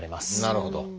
なるほど。